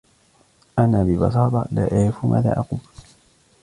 أنا ببساطة لا أعرف ماذا أقول...